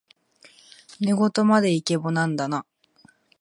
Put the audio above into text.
寝言までイケボなんだな